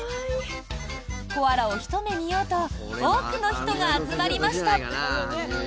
コアラをひと目見ようと多くの人が集まりました。